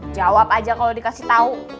jawab aja kalau dikasih tahu